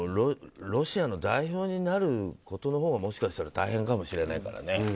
ロシアの代表になることのほうがもしかしたら大変かもしれないからね。